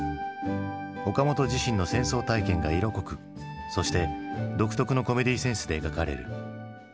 岡本自身の戦争体験が色濃くそして独特のコメディーセンスで描かれる。